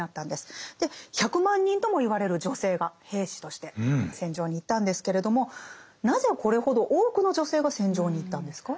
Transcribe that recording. １００万人とも言われる女性が兵士として戦場に行ったんですけれどもなぜこれほど多くの女性が戦場に行ったんですか？